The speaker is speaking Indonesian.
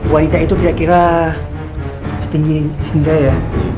wanita itu kira kira setinggi hingga ya